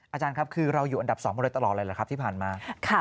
อาจารย์ครับคือเราอยู่อันดับ๒มาโดยตลอดเลยหรือครับที่ผ่านมา